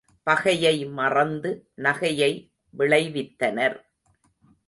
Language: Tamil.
பகையை மறந்து நகையை விளைவித்தனர்.